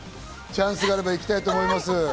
チャンスがあれば行きたいと思います。